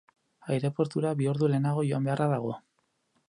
Aireportura bi ordu lehenago joan beharra dago.